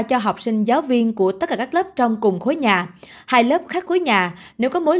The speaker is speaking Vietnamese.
cho học sinh giáo viên của tất cả các lớp trong cùng khối nhà hai lớp khác khối nhà nếu có mối